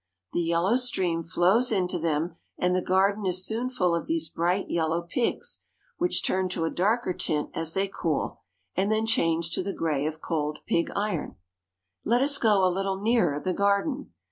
The yellow stream flows into them, and the garden is soon full of these bright yellow pigs, which turn to a darker tint as they cool, and then change to the gray of cold pig iron. Let us go a little nearer the garden.